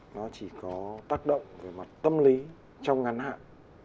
nó chỉ có tác động về mặt tâm lý trong ngắn hạn